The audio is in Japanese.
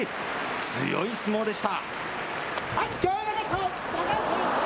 強い相撲でした。